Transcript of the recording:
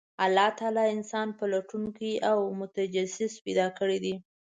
الله تعالی انسان پلټونکی او متجسس پیدا کړی دی،